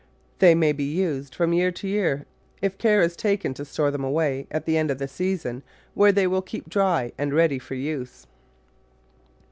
They may be used from year to year if care is taken to store them away, at the end of the season, where they will keep dry and ready for use.